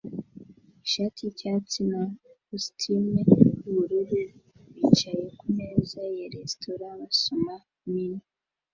ishati yicyatsi na kositimu yubururu bicaye kumeza ya resitora basoma menu